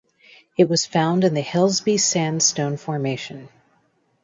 It was found in the Helsby Sandstone Formation.